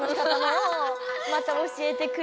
また教えてくれ。